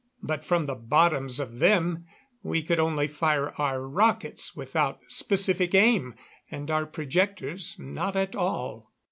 But from the bottoms of them we could only fire our rockets without specific aim and our projectors not at all.